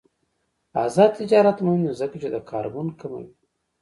آزاد تجارت مهم دی ځکه چې د کاربن کموي.